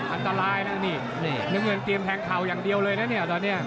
อันตรายนะนี่น้ำเงินเตรียมแทงเข่าอย่างเดียวเลยนะเนี่ยตอนนี้